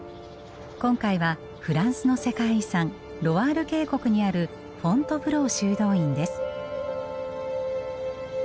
今回はフランスの世界遺産ロワール渓谷にあるフォントヴロー修道院です。